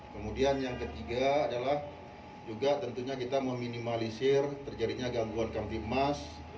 kemudian yang ketiga adalah juga tentunya kita meminimalisir terjadinya gangguan kamtip emas